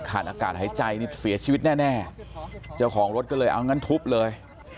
อากาศหายใจนี่เสียชีวิตแน่เจ้าของรถก็เลยเอางั้นทุบเลย